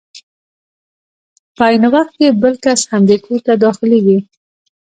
په عین وخت کې بل کس همدې کور ته داخلېږي.